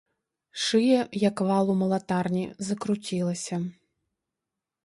Шыя, як вал у малатарні, закруцілася.